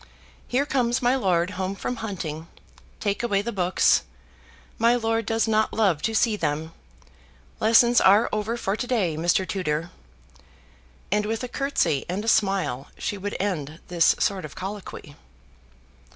Here comes my lord home from hunting. Take away the books. My lord does not love to see them. Lessons are over for to day, Mr. Tutor." And with a curtsy and a smile she would end this sort of colloquy.